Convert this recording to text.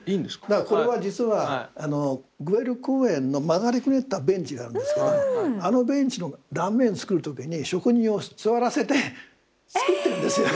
だからこれは実はグエル公園の曲がりくねったベンチがあるんですけどあのベンチの断面作る時に職人を座らせて作ってるんですよ。